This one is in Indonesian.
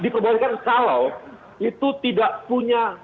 diperbolehkan kalau itu tidak punya